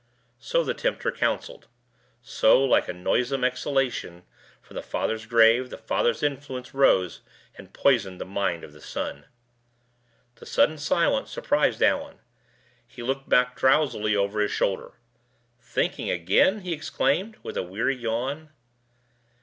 '" So the tempter counseled. So, like a noisome exhalation from the father's grave, the father's influence rose and poisoned the mind of the son. The sudden silence surprised Allan; he looked back drowsily over his shoulder. "Thinking again!" he exclaimed, with a weary yawn.